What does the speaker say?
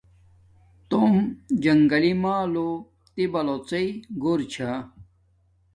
توم جنگی مال لو تی بلوڎے گور چھا